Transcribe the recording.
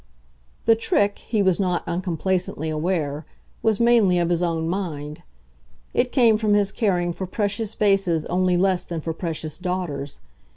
The trick, he was not uncomplacently aware, was mainly of his own mind; it came from his caring for precious vases only less than for precious daughters.